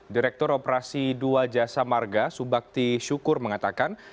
direktur operasi dua jasa marga subakti syukur mengatakan